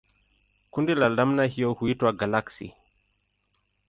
Kundi la namna hiyo huitwa galaksi.